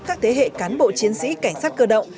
các thế hệ cán bộ chiến sĩ cảnh sát cơ động